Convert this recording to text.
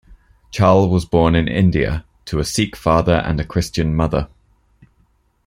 Chal was born in India, to a Sikh father and a Christian mother.